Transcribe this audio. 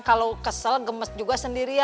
kalau kesal gemes sendiri